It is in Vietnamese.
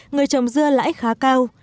người trồng dưa lãi khá cao